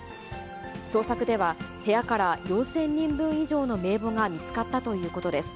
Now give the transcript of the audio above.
捜索では、部屋から４０００人分以上の名簿が見つかったということです。